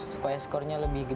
supaya skornya lebih besar